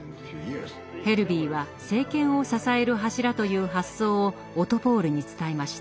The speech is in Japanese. ヘルヴィーは「政権を支える柱」という発想をオトポール！に伝えました。